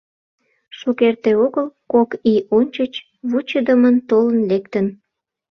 Шукерте огыл, кок ий ончыч, вучыдымын толын лектын.